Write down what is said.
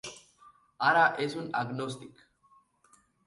Ara és un agnòstic.